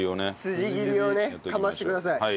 筋切りをねかましてください。